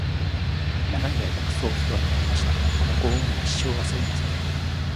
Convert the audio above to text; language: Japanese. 長い間クソおせわになりました！！！このご恩は一生、忘れません！！